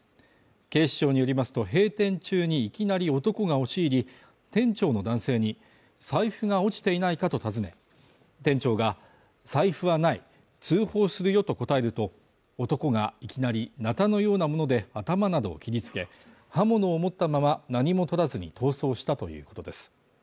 警視庁によりますと閉店中にいきなり男が押し入り、店長の男性に財布が落ちていないかと尋ね、店長が財布はない通報するよと答えると、男がいきなりなたのようなもので頭などを切りつけ、刃物を持ったまま、何も取らずに逃走したということです。